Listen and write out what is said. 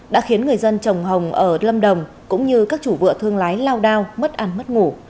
đã khiến người dân trồng hồng ở lâm đồng cũng như các chủ vựa thương lái lao đao mất ăn mất ngủ